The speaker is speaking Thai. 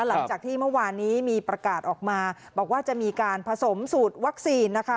หลังจากที่เมื่อวานนี้มีประกาศออกมาบอกว่าจะมีการผสมสูตรวัคซีนนะคะ